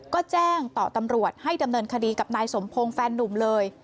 ก็แจ้งต่อตำรวจให้ดำเนินคดีกับนายสมพงศ์แฟนนุ่มเลย